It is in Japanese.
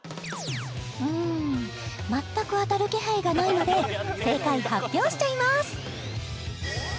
うん全く当たる気配がないので正解発表しちゃいます